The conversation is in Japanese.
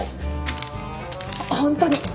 本当に。